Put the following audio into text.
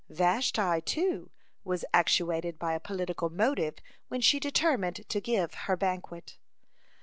(29) Vashti, too, was actuated by a political motive when she determined to give her banquet.